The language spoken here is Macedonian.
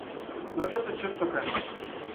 Доаѓавте често кај нас.